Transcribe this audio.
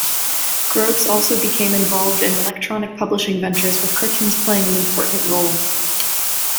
Gross also became involved in electronic publishing ventures with cartoons playing an important role.